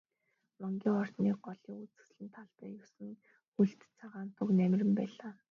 Вангийн ордны голын үзэсгэлэнт талбайд есөн хөлт цагаан туг намиран байлаа.